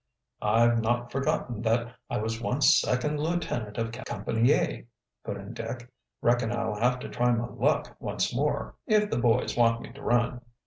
"I've not forgotten that I was once second lieutenant of Company A," put in Dick. "Reckon I'll have to try my luck once more if the boys want me to run."